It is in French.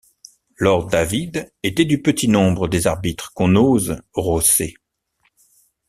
Lord David était du petit nombre des arbitres qu’on n’ose rosser.